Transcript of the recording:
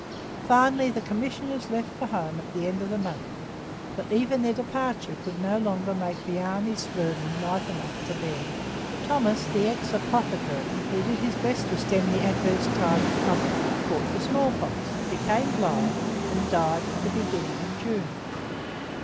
Finally the commissioners left for home at the end of the month. But even their departure could no longer make the army's burden light enough to bear. Thomas, the ex apothecary, who did his best to stem the adverse tide of trouble, caught the smallpox, became blind, and died at the beginning of June.